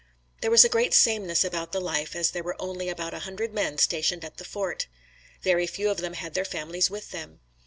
There was a great sameness about the life as there were only about a hundred men stationed at the fort. Very few of them had their families with them.